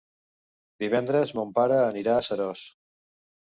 Divendres mon pare anirà a Seròs.